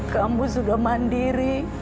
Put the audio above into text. kamu sudah mandiri